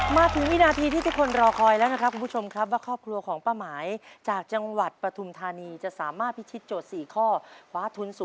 มาถึงวินาทีที่ทุกคนรอคอยแล้วนะครับคุณผู้ชมครับว่าครอบครัวของป้าหมายจากจังหวัดปฐุมธานีจะสามารถพิชิตโจทย์๔ข้อคว้าทุน๐